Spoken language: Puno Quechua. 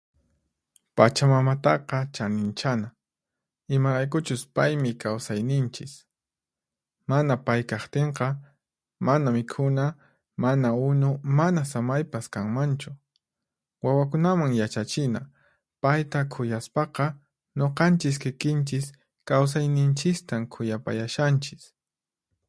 Pachamamataqa chaninchana, imaraykuchus paymi kawsayninchis. Mana pay kaqtinqa, mana mikhuna, mana unu, mana samaypas kanmanchu. Wawakunaman yachachina, payta qhuyaspaqa, nuqanchis kikinchis kawsayninchistan qhuyapayashanchis.